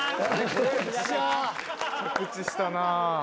着地したな。